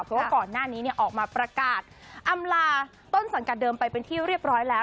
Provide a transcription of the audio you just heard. เพราะว่าก่อนหน้านี้ออกมาประกาศอำลาต้นสังกัดเดิมไปเป็นที่เรียบร้อยแล้ว